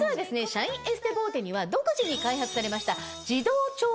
シャインエステボーテには独自に開発されました。